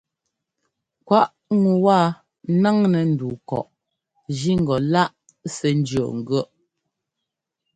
Kwaꞌ ŋu wa ńnáŋnɛ́ ndu kɔꞌ jí ŋgɔ láꞌ sɛ́ ńjʉɔ́ŋgʉ̈ɔ́ꞌ.